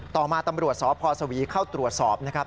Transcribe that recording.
ต่อมาตำรวจสพสวีเข้าตรวจสอบนะครับ